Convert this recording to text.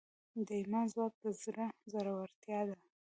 د ایمان ځواک د زړه زړورتیا ده.